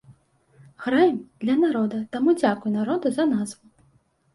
Граем для народа, таму дзякуй народу за назву.